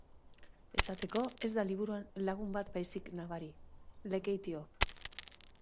Esateko, ez da liburuan lagun bat baizik nabari: Lekeitio.